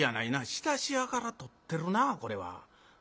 仕出し屋から取ってるなこれは。